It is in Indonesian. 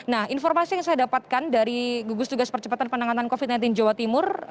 nah informasi yang saya dapatkan dari gugus tugas percepatan penanganan covid sembilan belas jawa timur